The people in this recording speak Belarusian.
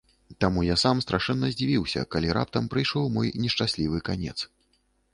Таму я сам страшэнна здзівіўся, калі раптам прыйшоў мой нешчаслівы канец.